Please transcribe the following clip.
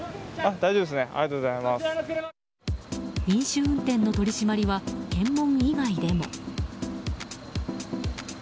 飲酒運転の取り締まりは検問以外でも。